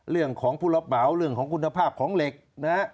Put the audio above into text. เรื่องของผู้รับเหมาเรื่องของคุณภาพของเหล็กนะฮะ